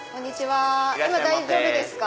今大丈夫ですか？